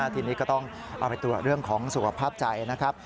ทีนี้ก็ต้องเอาไปตรวจเรื่องของสุขภาพใจนะครับ